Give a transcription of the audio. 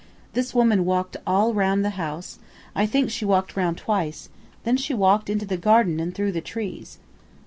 This woman walked all round the house; I think she walked round twice; and then she walked into the garden and through the trees."